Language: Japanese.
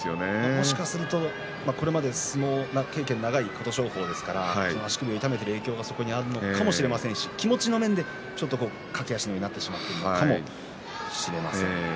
もしかすると、これまで相撲経験の長い琴勝峰ですが足首を痛めている影響があるのかもしれませんし気持ちの面で駆け足になってしまうのかもしれません。